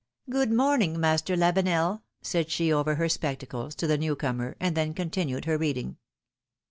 Good morning, Master Lavenel,^^ said she over her spectacles to the new comer, and then continued her reading.